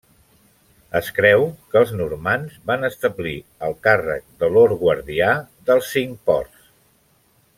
Es creu que els normands van establir el càrrec de Lord Guardià dels Cinc Ports.